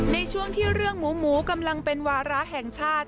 ในช่วงที่เรื่องหมูหมูกำลังเป็นวาระแห่งชาติ